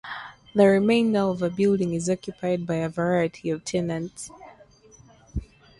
The remainder of the building is occupied by a variety of tenants.